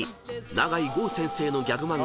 永井豪先生のギャグ漫画